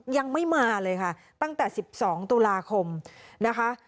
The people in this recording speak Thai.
ยังไม่มาเลยค่ะตั้งแต่๑๒ตุลาคมนะคะ